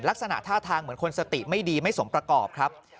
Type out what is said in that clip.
ลักษณะท่าทางเหมือนคนสติไม่ดีไม่สมประกอบครับ